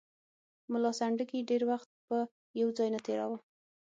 ملا سنډکي ډېر وخت په یو ځای نه تېراوه.